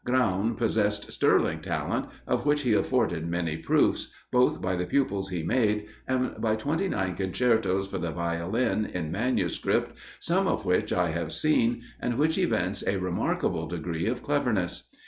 Graun possessed sterling talent, of which he afforded many proofs, both by the pupils he made and by twenty nine concertos for the Violin in manuscript, some of which I have seen, and which evince a remarkable degree of cleverness.